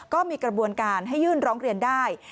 ก็มีกระบวนการให้ยื่นร้องเรียนได้